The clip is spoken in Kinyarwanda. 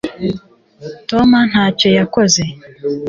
tom ntacyo yakoze